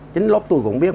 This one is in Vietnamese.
chính lúc tôi cũng biết